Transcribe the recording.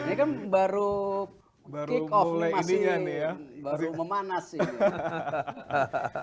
ini kan baru kick off masih baru memanas sih